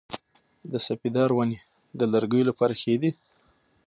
د سپیدار ونې د لرګیو لپاره ښې دي؟